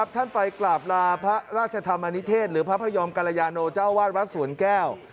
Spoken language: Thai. ท่านไปกราบลาพระราชธรรมนิเทศหรือพระพระยอมกรยาโนเจ้าวาดวัดสวนแก้ว